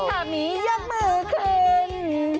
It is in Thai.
ถ้ามียกมือขึ้น